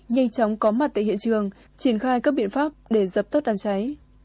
nhanh chóng có mặt tại hiện trường triển khai các biện pháp để dập tắt đám cháy